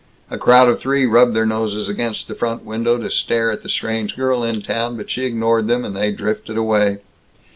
A crowd of three rubbed their noses against the front window to stare at the strange girl in town, but she ignored them, and they drifted away.